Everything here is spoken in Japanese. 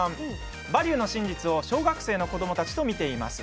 「バリューの真実」を小学生の子どもたちと見ています。